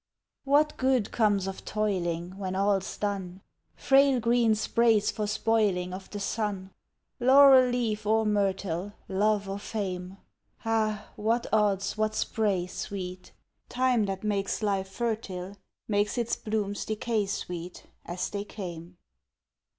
What good comes of toiling, When all's done? Frail green sprays for spoiling Of the sun; Laurel leaf or myrtle, Love or fame Ah, what odds what spray, sweet? Time, that makes life fertile, Makes its blooms decay, sweet, As they came.